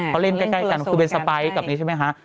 เขาเล่นใกล้กันคือเป็นสไปร์กับนี้ใช่ไหมคะ